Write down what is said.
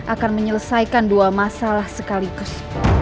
akan menyelesaikan dua masalah sekaligus